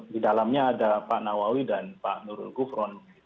di dalamnya ada pak nawawi dan pak nurul gufron